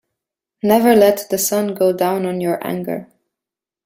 Never let the sun go down on your anger.